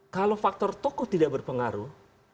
kalau faktor tokoh tidak berpengaruh